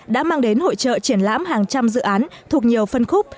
đã mang đến hội trợ triển lãm hàng trăm dự án thuộc nhiều phân khúc